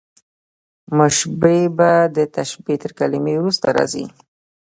مشبه به، د تشبېه تر کلمې وروسته راځي.